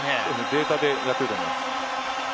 データでやっていると思います。